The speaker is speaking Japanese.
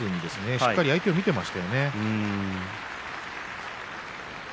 しっかり相手を見ていましたね。